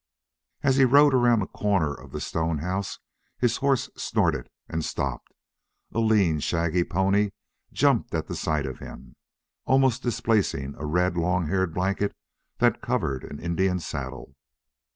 As he rode around a corner of the stone house his horse snorted and stopped. A lean, shaggy pony jumped at sight of him, almost displacing a red long haired blanket that covered an Indian saddle.